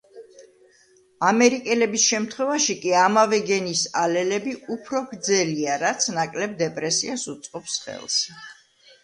ამერიკელების შემთხვევაში კი ამავე გენის ალელები უფრო გრძელია, რაც ნაკლებ დეპრესიას უწყობს ხელს.